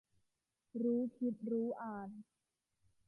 รู้คิดรู้อ่าน